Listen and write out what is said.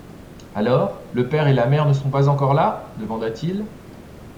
Alors, le père et la mère ne sont pas encore là? demanda-t-il.